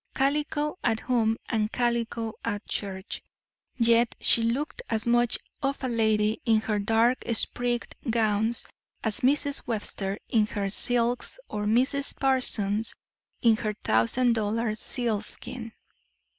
Calico at home and calico at church, yet she looked as much of a lady in her dark sprigged gowns as Mrs. Webster in her silks or Mrs. Parsons in her thousand dollar sealskin."